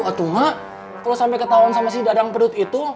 waktu mak kalau sampai ketahuan sama si dadang perut itu